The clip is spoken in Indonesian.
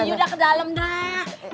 ay udah ke dalam dah